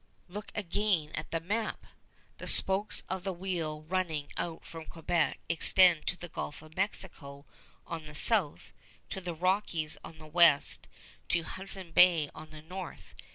Look again at the map! The spokes of the wheel running out from Quebec extend to the Gulf of Mexico on the south, to the Rockies on the west, to Hudson Bay on the north.